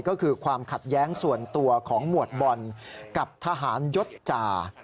ก็คือความขัดแย้งส่วนตัวของหมวดบอลกับทหารยศจ่า